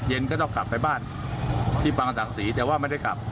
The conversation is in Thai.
เย็นก็ต้องกลับไปบ้านที่บังตักศรีแต่ว่าไม่ได้กลับ